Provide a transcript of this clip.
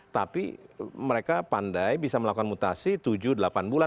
tapi mereka pandai bisa melakukan mutasi tujuh delapan bulan